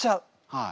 はい。